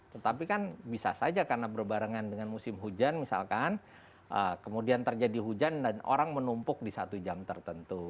tetapi kan bisa saja karena berbarengan dengan musim hujan misalkan kemudian terjadi hujan dan orang menumpuk di satu jam tertentu